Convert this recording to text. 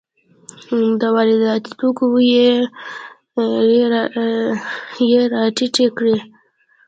د وارداتي توکو بیې یې راټیټې کړې.